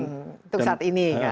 untuk saat ini kan